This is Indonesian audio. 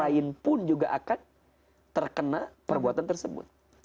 tapi orang lain pun juga akan terkena perbuatan tersebut